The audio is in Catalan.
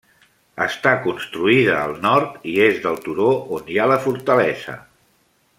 Està construïda al nord i és del turó on hi ha la fortalesa.